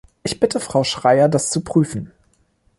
Ich bitte Frau Schreyer, das zu prüfen.